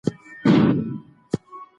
علامه رشاد اکاډيمي چي په خپل تشکيل کي خورا